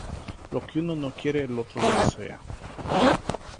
Lo que uno no quiere el otro lo desea